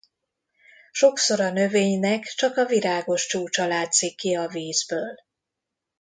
Sokszor a növénynek csak a virágos csúcsa látszik ki a vízből.